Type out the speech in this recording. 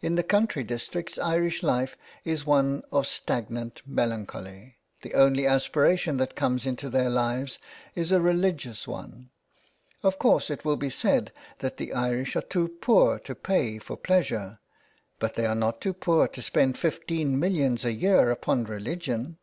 In the country districts Irish life is one of stagnant melancholy, the only aspiration that comes into their lives is a religious one. " Of course it will be said that the Irish are too poor to pay for pleasure, but they are not too poor to spend fifteen millions a year upon religion."